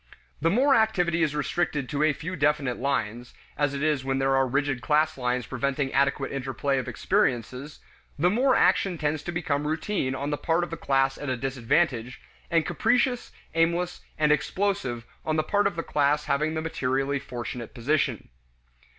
The more activity is restricted to a few definite lines as it is when there are rigid class lines preventing adequate interplay of experiences the more action tends to become routine on the part of the class at a disadvantage, and capricious, aimless, and explosive on the part of the class having the materially fortunate position.